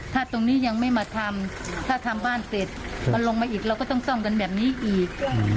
ถ้าตรงนี้ยังไม่มาทำถ้าทำบ้านเสร็จมันลงมาอีกเราก็ต้องซ่อมกันแบบนี้อีก